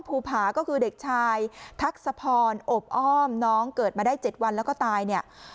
ภูผาก็คือเด็กชายทักษะพรอบอ้อมน้องเกิดมาได้๗วันแล้วก็ตายเนี่ย